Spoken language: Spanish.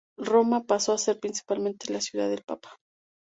Roma pasó a ser principalmente la ciudad del papa.